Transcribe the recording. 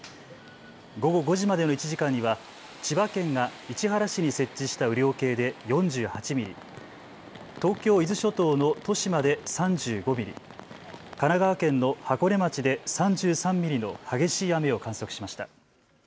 午後５時までの１時間には千葉県が市原市に設置した雨量計で４８ミリ、東京伊豆諸島の利島で３５ミリ、神奈川県の箱根町で３３ミリの激しい雨を観測しました。